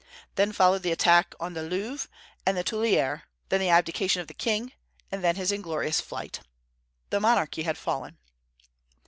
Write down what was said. Then followed the attack on the Louvre and the Tuileries; then the abdication of the king; and then his inglorious flight. The monarchy had fallen.